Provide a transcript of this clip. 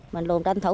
mà lồn đánh thấu